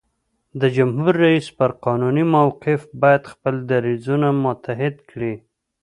د جمهور رئیس پر قانوني موقف باید خپل دریځونه متحد کړي.